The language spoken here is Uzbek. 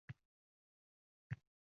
Ammo gap bunda ham emas.